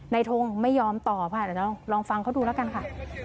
ในทองไม่ยอมตอบค่ะลองฟังเค้าดูแล้วกันค่ะ